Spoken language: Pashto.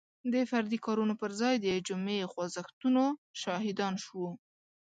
د فردي کارونو پر ځای د جمعي خوځښتونو شاهدان شو.